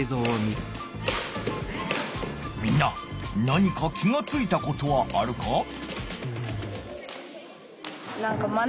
みんな何か気がついたことはあるか？